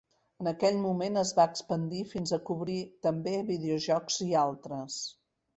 En aquell moment, es va expandir fins a cobrir també videojocs i altres.